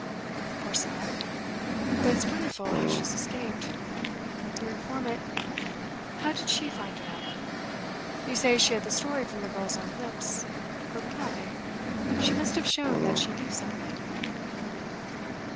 'Of course not. But it's wonderful how she has escaped. Your informant how did she find it out? You say she had the story from the girl's own lips. But why? She must have shown that she knew something.